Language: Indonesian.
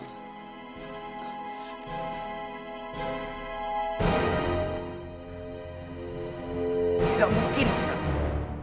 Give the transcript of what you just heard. tidak mungkin ghisanak